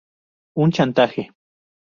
Un chantaje.